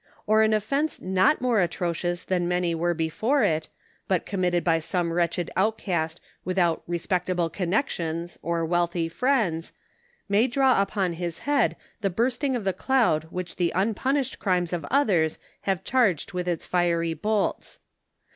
Or an offense not more atrocious than many were before it, but committed by some wretched outcast without »* respectable connections" or wealthy friends, may draw upon his head the bursting of the cloud which the unpunished crimes of others have charged with its fiery bolts.